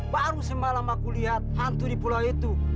baru semalam aku lihat hantu di pulau itu